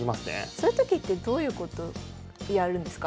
そういうときってどういうことやるんですか？